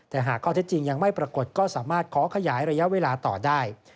แต่หากข้อเท็จจริงยังไม่ปรากฏก็สามารถขอขยายระยะเวลาต่อได้